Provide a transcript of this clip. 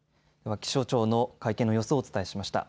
気象庁の会見の様子をお伝えしました。